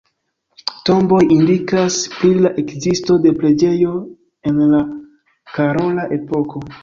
Tomboj indikas pri la ekzisto de preĝejo en la karola epoko.